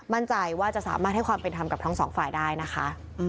มั่นใจว่าจะสามารถให้ความเป็นธรรมกับทั้งสองฝ่ายได้นะคะ